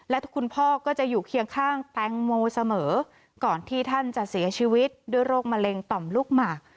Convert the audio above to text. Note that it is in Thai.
และคุณพ่อก็จะอยู่เคียงข้างแตงโมเสมอก่อนที่ท่านจะเสียชีวิตด้วยโรคมะเร็งต่อมลูกหมาก